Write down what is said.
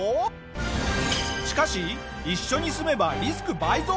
しかし一緒に住めばリスク倍増！